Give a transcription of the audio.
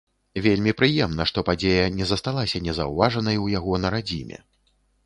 Вельмі прыемна, што падзея не засталася незаўважанай у яго на радзіме.